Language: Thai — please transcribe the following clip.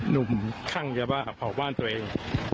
นุ่มคั่งจุดไฟเผาบ้านตัวเอง